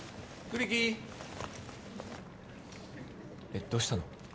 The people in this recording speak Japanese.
・栗木ーえっどうしたの？